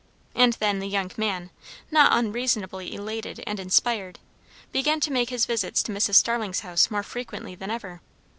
And then the young man, not unreasonably elated and inspirited, began to make his visits to Mrs. Starling's house more frequent than ever.